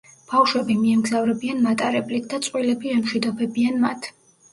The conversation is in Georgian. ბავშვები მიემგზავრებიან მატარებლით და წყვილები ემშვიდობებიან მათ.